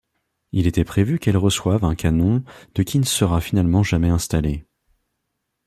Il était prévu qu'elle reçoive un canon de qui ne sera finalement jamais installé.